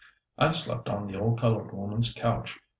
I slept on the old coloured woman's couch.